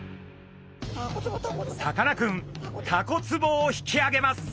さかなクンタコ壺を引き上げます。